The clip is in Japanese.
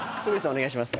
お願いします。